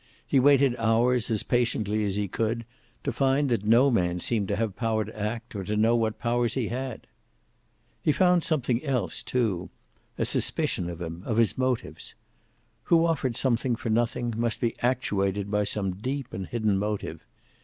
He waited hours, as patiently as he could, to find that no man seemed to have power to act, or to know what powers he had. He found something else, too a suspicion of him, of his motives. Who offered something for nothing must be actuated by some deep and hidden motive.